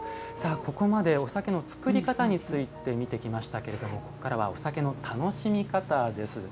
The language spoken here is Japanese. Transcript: ここまでお酒の造り方について見てきましたけれどもここからはお酒の楽しみ方です。